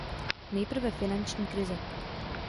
Nejprve finanční krize.